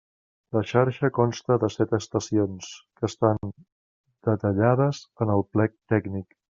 La xarxa consta de set estacions, que estan detallades en el plec tècnic.